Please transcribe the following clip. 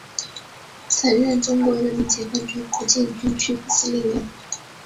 曾任中国人民解放军福建军区副司令员。